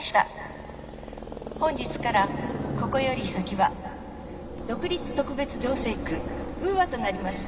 本日からここより先は独立特別行政区ウーアとなります。